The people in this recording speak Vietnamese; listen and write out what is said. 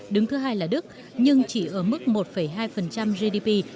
đứng thứ hai là đức nhưng chỉ ở mức một hai gdp